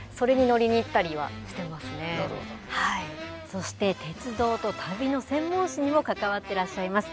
そして鉄道と旅の専門誌にも関わってらっしゃいます